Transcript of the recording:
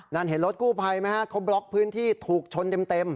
นั่นเห็นรถกู้ภัยไหมฮะเขาบล็อกพื้นที่ถูกชนเต็ม